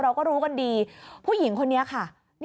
เราก็รู้กันดีผู้หญิงคนนี้ค่ะ